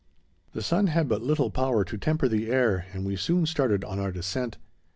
The sun had but little power to temper the air, and we soon started on our descent.